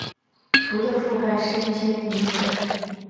图的覆盖是一些顶点。